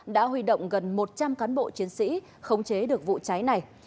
đã huy động gần một trăm linh cán bộ chiến sĩ khống chế được vụ cháy này